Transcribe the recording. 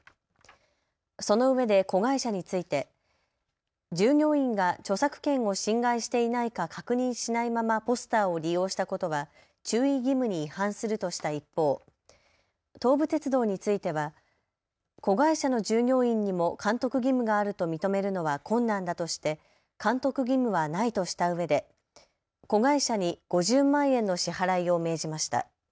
そのうえで子会社について従業員が著作権を侵害していないか確認しないままポスターを利用したことは注意義務に違反するとした一方、東武鉄道については子会社の従業員にも監督義務があると認めるのは困難だとして監督義務はないとしたうえで子会社に５０万円の支払いを命じました。